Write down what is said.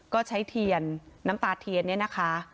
ก็ใช้เทียนน้ำตาเทียนเนี่ยนะคะ